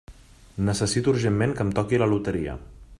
Necessito urgentment que em toqui la loteria.